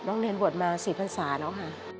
น้องเรียนบวชมา๔ภาษาแล้วค่ะ